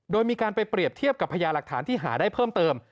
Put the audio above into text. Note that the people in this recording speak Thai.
โดยมีการไปเปรียบเทียบกับพญาหลักฐานที่หาได้เพิ่มเติม